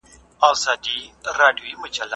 ولي محنتي ځوان د مستحق سړي په پرتله خنډونه ماتوي؟